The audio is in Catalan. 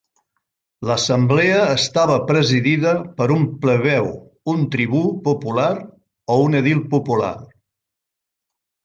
L'Assemblea estava presidida per un plebeu, un tribú popular o un edil popular.